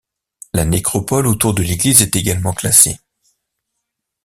La nécropole autour de l'église est également classée.